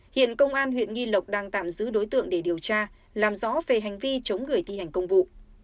hiện công an huyện nghi lộc đang tạm giữ đối tượng để điều tra làm rõ về hành vi chống người thi hành công vụ